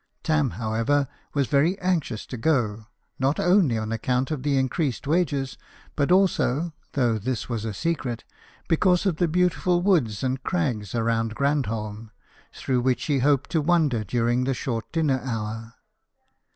Tarn, however, was very anxious to go, lot only on account of the increased wages, but also (though this was a secret) because of 1 70 BIOGRAPHIES OF WORKING MEN. the beautiful woods and crags round Grand holm, through which he hoped to wander during the short dinner hour.